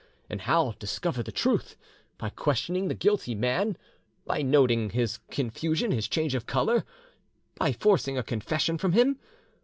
And how discover the truth—by questioning the guilty man, by noting his confusion, his change of colour, by forcing a confession from him?